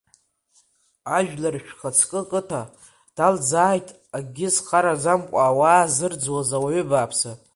Ажәлар шәхацкы, ҳқыҭа далӡааит акгьы зхараӡамкәа ауаа зырӡуаз ауаҩы бааԥсы.